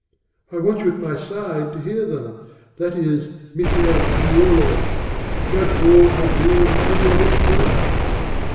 I want you at my side To hear them that is, Michel Agnolo Judge all I do and tell you of its worth.